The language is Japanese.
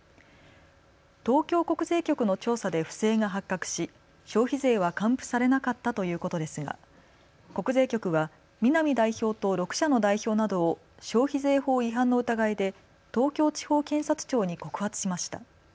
東京国税局の調査で不正が発覚し消費税は還付されなかったということですが国税局は南代表と６社の代表などを消費税法違反の疑いで東京地方検察庁に告発しました。